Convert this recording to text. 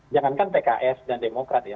jangankan pks dan demokrat ya